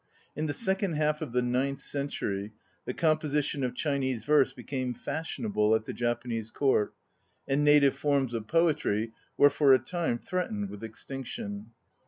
In the second half of the ninth century the composition of Chinese verse became fashionable at the Japanese Court, and native forms of poetry were for a time threatened with extinction.